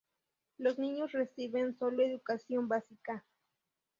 Los niños reciben solo educación básica.